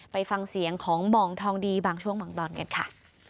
ไปฟังเสียงของหมองทองดีบางช่วงบางตอนกันค่ะ